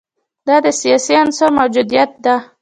دا د سیاسي عنصر موجودیت ده.